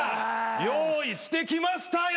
用意してきましたよ！